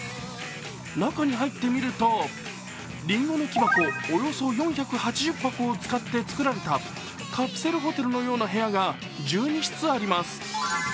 中に入ってみると、りんごの木箱およそ４８０箱を使って作られたカプセルホテルのような部屋が１２室あります。